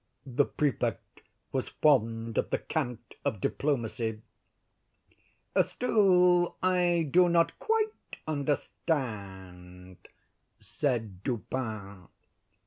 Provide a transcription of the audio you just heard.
The Prefect was fond of the cant of diplomacy. "Still I do not quite understand," said Dupin.